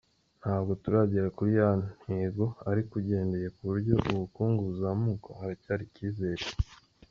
Ntabwo turagera kuri ya ntego ariko ugendeye ku buryo ubukungu buzamuka haracyari icyizere.